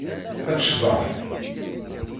Ad tecḍeḥ.